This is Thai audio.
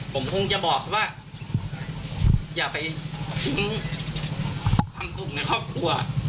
ผมคงจะบอกว่าอย่าไปทิ้งทำกลุ่มในครอบครัว